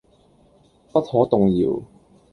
不可動搖